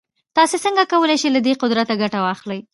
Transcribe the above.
تاسې څنګه کولای شئ له دې قدرته ګټه واخلئ.